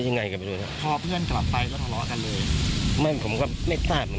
ตอนที่แทงเนี่ยเพื่อนคนนั้นยังอยู่ไหม